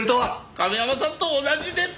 亀山さんと同じです！